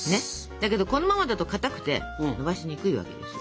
だけどこのままだとかたくてのばしにくいわけですよ。